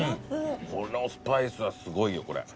このスパイスはすごいよこれ。